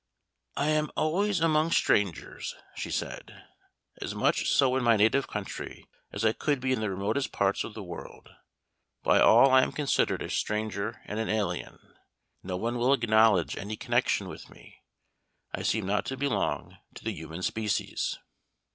"I am always among strangers," she said, "as much so in my native country as I could be in the remotest parts of the world. By all I am considered as a stranger and an alien; no one will acknowledge any connection with me. I seem not to belong to the human species."